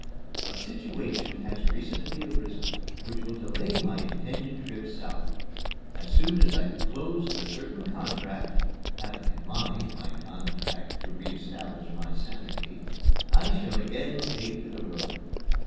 ... "A situation has recently arisen which will delay my intended trip South. As soon as I have closed a certain contract (having in mind my contract to re establish my sanity) I shall again take to the road."